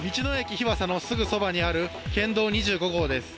日和佐のすぐそばにある県道２５号です。